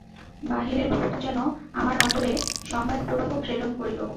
বাহিরের বস্তু যেন আমার অন্তরে সংবাদ-প্রবাহ প্রেরণ করিল।